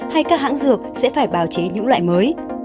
hay các hãng dược sẽ phải bào chế những loại mới